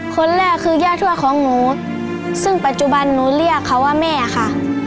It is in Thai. คนแรกคือย่าทวดของหนูซึ่งปัจจุบันหนูเรียกเขาว่าแม่ค่ะ